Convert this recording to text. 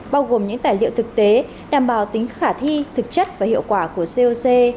bao gồm những tài liệu thực tế đảm bảo tính khả thi thực chất và hiệu quả của coc